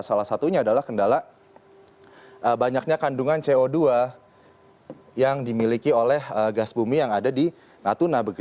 salah satunya adalah kendala banyaknya kandungan co dua yang dimiliki oleh gas bumi yang ada di natuna